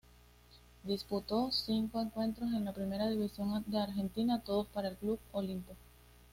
Disputó cinco encuentros en la Primera División de Argentina, todos para el Club Olimpo.